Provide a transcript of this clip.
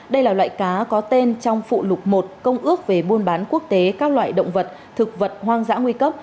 đây là loại cá có tên trong phụ lục một công ước về buôn bán quốc tế các loại động vật thực vật hoang dã nguy cấp